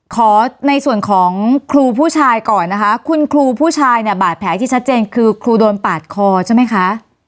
ขอในส่วนของครูผู้ชายก่อนนะคะคุณครูผู้ชายเนี่ยบาดแผลที่ชัดเจนคือครูโดนปาดคอใช่ไหมคะ